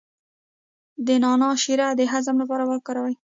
د نعناع شیره د هضم لپاره وکاروئ